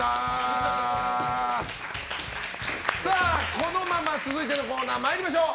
このまま続いてのコーナー参りましょう。